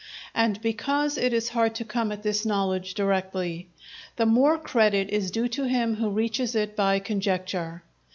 And because it is hard to come at this knowledge directly, the more credit is due to him who reaches it by conjecture.